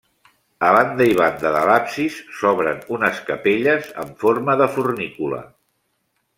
A banda i banda de l'absis s'obren unes capelles amb forma de fornícula.